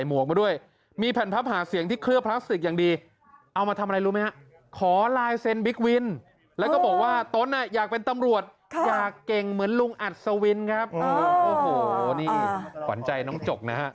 เหมือนลุงอัศวินครับโอ้โหนี่ขวัญใจน้องจกนะครับ